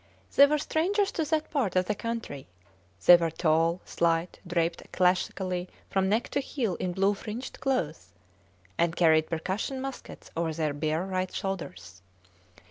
They were strangers to that part of the country. They were tall, slight, draped classically from neck to heel in blue fringed cloths, and carried percussion muskets over their bare right shoulders.